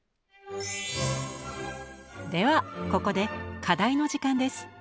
ではここで課題の時間です。